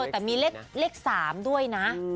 แต่มีเลข๓ด้วยนะ